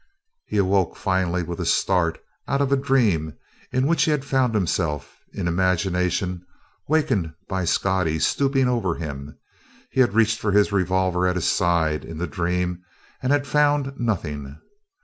He awoke finally with a start, out of a dream in which he had found himself, in imagination, wakened by Scottie stooping over him. He had reached for his revolver at his side, in the dream, and had found nothing.